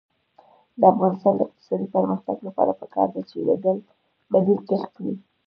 د افغانستان د اقتصادي پرمختګ لپاره پکار ده چې بدیل کښت وي.